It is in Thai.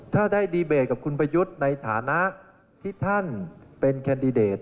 ถ้าได้ดีเบตกับคุณประยุทธ์ในฐานะที่ท่านเป็นแคนดิเดต